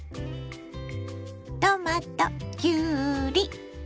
トマトきゅうり